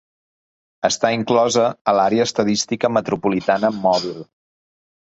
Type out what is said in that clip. Està inclosa a l'àrea estadística metropolitana mòbil.